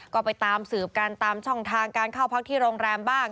ก็ไปตามสืบกันตามช่องทางการเข้าพักที่โรงแรมบ้าง